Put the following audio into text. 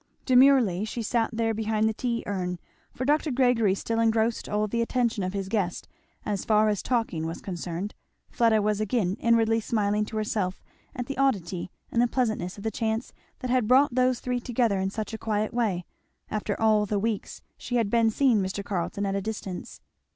Demurely as she sat there behind the tea urn, for Dr. Gregory still engrossed all the attention of his guest as far as talking was concerned, Fleda was again inwardly smiling to herself at the oddity and the pleasantness of the chance that had brought those three together in such a quiet way, after all the weeks she had been seeing Mr. Carleton at a distance.